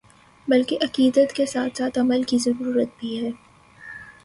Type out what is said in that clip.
بلکہ عقیدت کے ساتھ ساتھ عمل کی ضرورت بھی ہے ۔